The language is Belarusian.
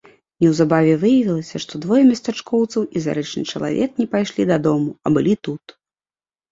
Неўзабаве выявілася, што двое местачкоўцаў і зарэчны чалавек не пайшлі дадому, а былі тут.